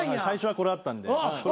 最初はこれだったんで。